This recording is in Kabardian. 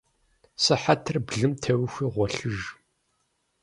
Сыхьэтыр блым теухуи гъуэлъыж.